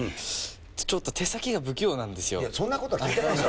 ちょっと手先が不器用なんですよ